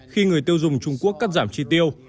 khi người tiêu dùng trung quốc cắt giảm chi tiêu